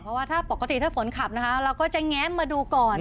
เพราะว่าถ้าปกติถ้าฝนขับนะคะเราก็จะแง้มมาดูก่อน